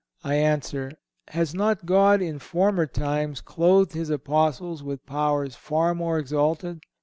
I answer: Has not God, in former times, clothed His Apostles with powers far more exalted?